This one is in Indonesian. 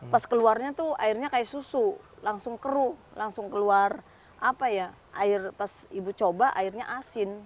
pas keluarnya tuh airnya kayak susu langsung keruh langsung keluar apa ya air pas ibu coba airnya asin